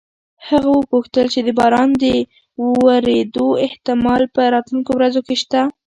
هغه وپوښتل چې د باران د ورېدو احتمال په راتلونکو ورځو کې شته؟